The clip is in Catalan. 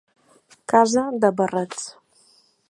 Casa de barrets.